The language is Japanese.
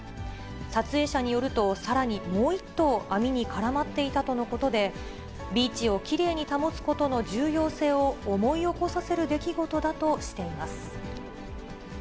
撮影者によると、さらにもう１頭、網に絡まっていたとのことで、ビーチをきれいに保つことの重要性を思い起こさせる出来事だとしています。